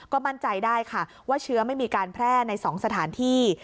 มั่นใจได้ค่ะว่าเชื้อไม่มีการแพร่ใน๒สถานที่